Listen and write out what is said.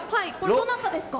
どなたですか。